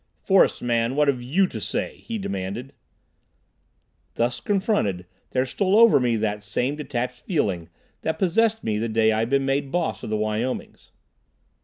"Forest man, what have you to say?" he demanded. Thus confronted, there stole over me that same detached feeling that possessed me the day I had been made Boss of the Wyomings.